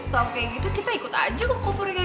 tau kayak gitu kita ikut aja ke kompornya angel